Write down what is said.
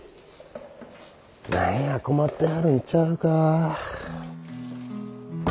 何や困ってはるんちゃうか？